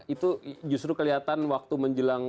itu justru kelihatan waktu menjelang